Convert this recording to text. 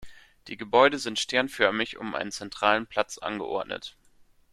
Die Gebäude sind sternförmig um einen zentralen Platz angeordnet.